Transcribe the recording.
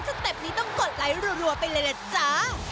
เต็ปนี้ต้องกดไลค์รัวไปเลยล่ะจ้า